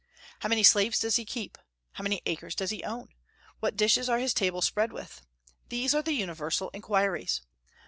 How many slaves does he keep; how many acres does he own; what dishes are his table spread with? these are the universal inquiries.